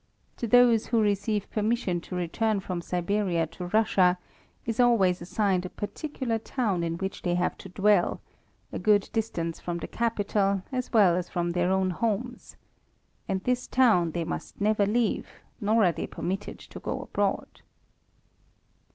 To those who receive permission to return from Siberia to Russia is always assigned a particular town in which they have to dwell, a good distance from the capital as well as from their own homes. And this town they must never leave, nor are they permitted to go abroad.